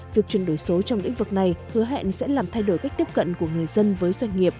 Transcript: việc chuyển đổi số trong lĩnh vực này hứa hẹn sẽ làm thay đổi cách tiếp cận của người dân với doanh nghiệp